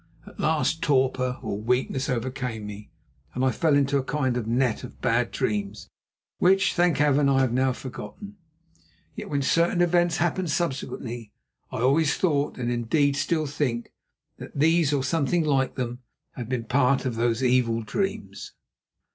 At last torpor, or weakness, overcame me, and I fell into a kind of net of bad dreams which, thank Heaven! I have now forgotten. Yet when certain events happened subsequently I always thought, and indeed still think, that these or something like them, had been a part of those evil dreams.